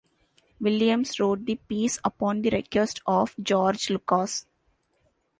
Williams wrote the piece upon the request of George Lucas.